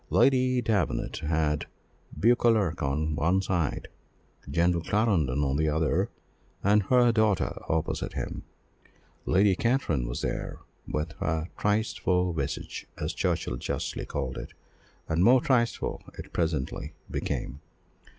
Lady Davenant had Beauclerc on one side, General Clarendon on the other, and her daughter opposite to him. Lady Katrine was there, with her "tristeful visage," as Churchill justly called it, and more tristeful it presently became.